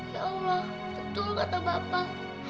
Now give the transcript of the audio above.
ya allah tentu kata bapak